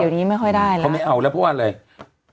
เดี๋ยวนี้ไม่ค่อยได้แล้วเขาไม่เอาแล้วเพราะว่าอะไร